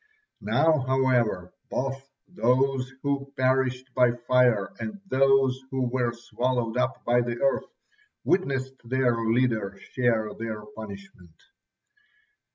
Now, however, both those who perished by fire and those who were swallowed up by the earth witnessed their leader share their punishment.